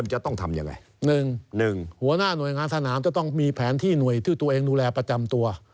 หัวหน้าหน่วยงานสนามจะต้องมีแผนที่หน่วยที่ตัวเองดูแลประจำตัว